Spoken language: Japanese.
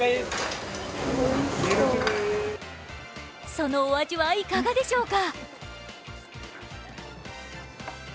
そのお味はいかがでしょうか？